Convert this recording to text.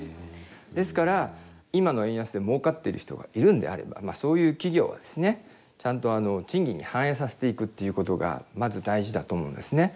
ですから今の円安でもうかってる人がいるんであればそういう企業はですねちゃんと賃金に反映させていくっていうことがまず大事だと思うんですね。